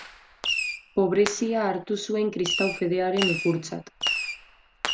Pobrezia hartu zuen kristau-fedearen ikurtzat.